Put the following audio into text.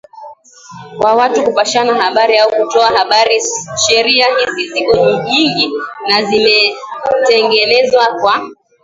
wa watu kupashana habari au kutoa habari sheria hizi ziko nyingi na zimetengenezwa kwa